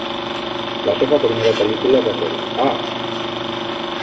La seva primera pel·lícula va ser "Ah!"